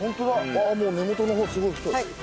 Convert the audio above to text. ああもう根元の方すごい太い。